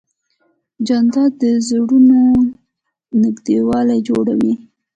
جانداد د زړونو نږدېوالی جوړوي.